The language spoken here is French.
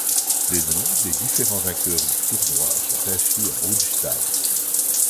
Les noms des différents vainqueurs du tournoi sont inscrits en haut du stade.